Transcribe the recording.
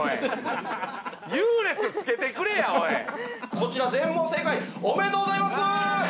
こちら全問正解おめでとうございます！